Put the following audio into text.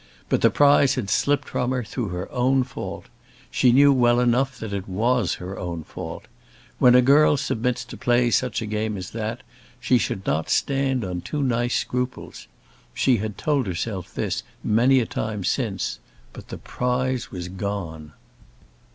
But the prize had slipped from her through her own fault. She knew well enough that it was her own fault. When a girl submits to play such a game as that, she should not stand on too nice scruples. She had told herself this many a time since; but the prize was gone.